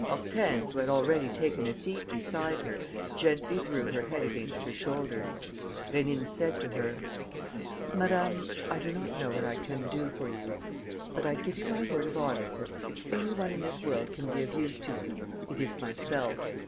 Hortense, who had already taken a seat beside her, gently drew her head against her shoulder. Rénine said to her: "Madame, I do not know what I can do for you. But I give you my word of honour that, if any one in this world can be of use to you, it is myself.